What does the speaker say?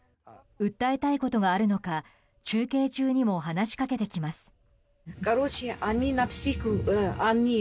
訴えたいことがあるのか中継中にも話しかけてきます。